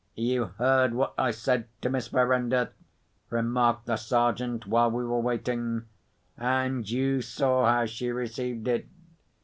"You heard what I said to Miss Verinder?" remarked the Sergeant, while we were waiting. "And you saw how she received it?